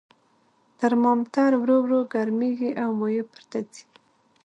ترمامتر ورو ورو ګرمیږي او مایع پورته ځي.